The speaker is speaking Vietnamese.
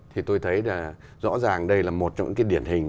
thì tôi thấy rõ ràng đây là một trong những điển hình